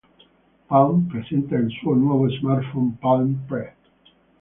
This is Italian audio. Palm presenta il suo nuovo smartphone Palm Pre.